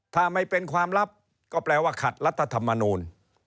ถ้าไม่เป็นความลับก็แปลว่าขัดรัฐธรรมนูล